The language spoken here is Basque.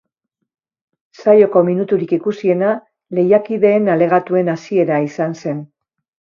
Saioko minuturik ikusiena lehiakideen alegatuen hasiera izan zen.